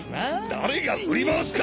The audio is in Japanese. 誰が振り回すか！